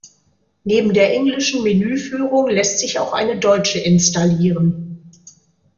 Neben der englischen Menüführung lässt sich auch eine deutsche installieren.